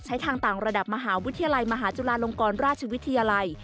ทางต่างระดับมหาวิทยาลัยมหาจุฬาลงกรราชวิทยาลัย